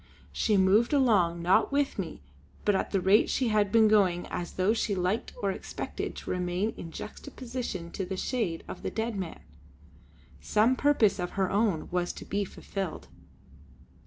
She moved along, not with me but at the rate she had been going as though she liked or expected to remain in juxtaposition to the shade of the dead man; some purpose of her own was to be fulfilled.